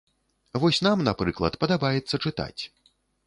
Вось нам, напрыклад, падабаецца чытаць.